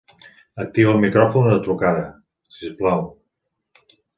Activa el micròfon de la trucada, sisplau.